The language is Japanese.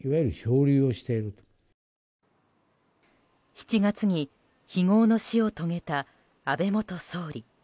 ７月に非業の死を遂げた安倍元総理。